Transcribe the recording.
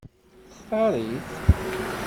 Textaṛ-it?